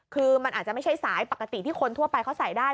คือมันอาจจะไม่ใช่สายปกติที่คนทั่วไปเขาใส่ได้